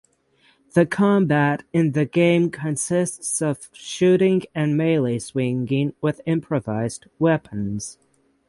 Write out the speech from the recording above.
The combat in the game consists of shooting and melee swinging with improvised weapons.